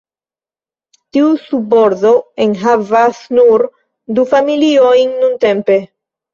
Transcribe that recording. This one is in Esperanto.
Tiu subordo enhavas nur du familiojn nuntempe.